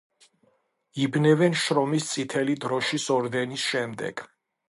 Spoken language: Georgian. იბნევენ შრომის წითელი დროშის ორდენის შემდეგ.